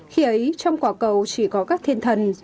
khi ấy trong quả cầu chỉ có các thiên thần